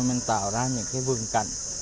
mình tạo ra những cái vườn cạnh